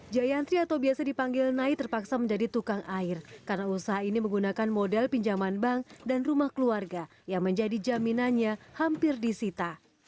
jayantri atau biasa dipanggil nai terpaksa menjadi tukang air karena usaha ini menggunakan modal pinjaman bank dan rumah keluarga yang menjadi jaminannya hampir disita